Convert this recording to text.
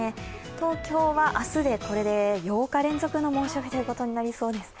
東京は明日でこれで８日連続の猛暑日となりそうです。